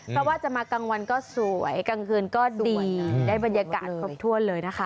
เพราะว่าจะมากลางวันก็สวยกลางคืนก็ดีได้บรรยากาศครบถ้วนเลยนะคะ